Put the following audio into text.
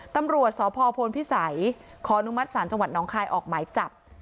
ตำรวจสพพลพิสัยขอนุมัติศาลจังหวัดน้องคายออกหมายจับ